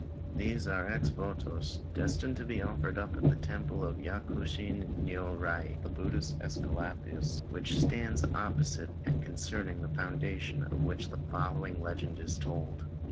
These are ex votos, destined to be offered up at the Temple of Yakushi Niurai, the Buddhist Æsculapius, which stands opposite, and concerning the foundation of which the following legend is told.